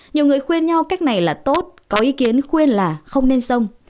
nhiều người khuyên nhau cách này là tốt có ý kiến khuyên là không nên sông